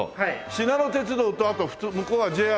しなの鉄道とあと普通向こうはＪＲ？